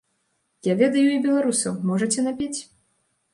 Я ведаю і беларусаў, можаце напець?